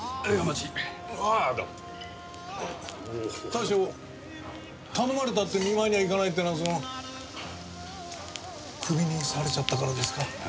大将頼まれたって見舞いには行かないってのはそのクビにされちゃったからですか？